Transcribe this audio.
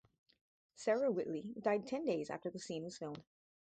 Sarah Whitley died ten days after the scene was filmed.